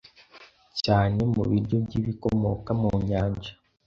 cyane mu biryo by'ibikomoka mu Nyanja